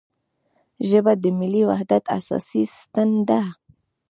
ژبه د ملي وحدت اساسي ستن ده